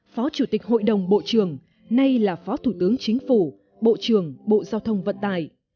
phó chủ tịch hội đồng bộ trưởng nay là phó thủ tướng chính phủ bộ trưởng bộ giao thông vận tài